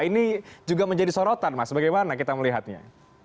ini juga menjadi sorotan mas bagaimana kita melihatnya